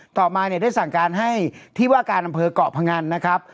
ต่อมาเนี่ยได้สั่งการให้ที่ว่าการอำเภอกเกาะพงันนะครับ